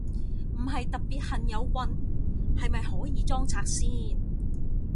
唔係特別恨有棍，係咪可以裝拆先？